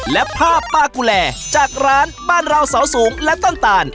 และผ้าปลากุแลจากร้านบ้านเราเสาสูงและต้นตาล